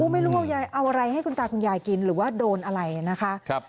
ไม่รู้ว่ายายเอาอะไรให้คุณตาคุณยายกินหรือว่าโดนอะไรนะคะ